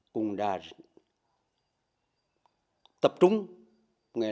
cùng đàn tập trung vào vệ đình võ liệt